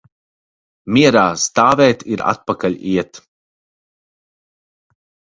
Mierā stāvēt ir atpakaļ iet.